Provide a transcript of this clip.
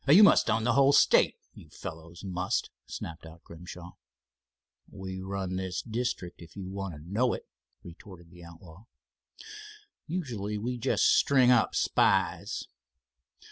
"You must own the whole state, you fellows must," snapped out Grimshaw. "We run this district, if you want to know it," retorted the outlaw. "Usually we just string up spies."